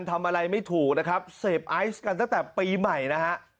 ทำอะไรไม่ถูกนะครับเสพไอซ์กันตั้งแต่ปีใหม่นะฮะ